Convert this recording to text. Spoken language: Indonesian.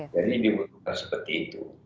jadi diperlukan seperti itu